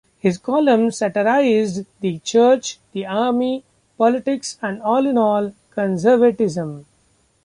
His columns satirized the church, the army, politics and, all in all, conservatism.